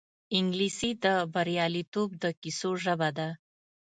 انګلیسي د بریالیتوب د کیسو ژبه ده